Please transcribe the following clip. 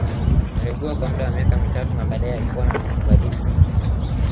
Aliugua kwa muda wa miaka mitatu na baadae alipona na kubadili dini